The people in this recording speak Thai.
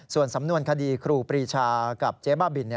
ส่วนสำนวนคครูปรีชาพเจฟะบิล